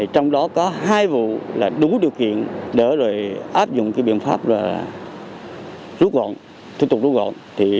trong đó có hai vụ đủ điều kiện để áp dụng biện pháp rút gọn thuyết tục rút gọn